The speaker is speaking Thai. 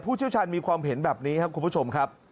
เชี่ยวชาญมีความเห็นแบบนี้ครับคุณผู้ชมครับ